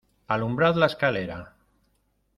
¡ alumbrad la escalera!...